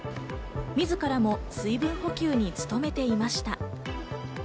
自らも水分補給に努めていました。